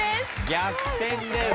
逆転です。